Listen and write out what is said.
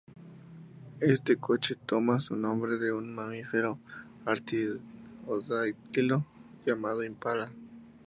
Este coche toma su nombre de un mamífero artiodáctilo llamado impala.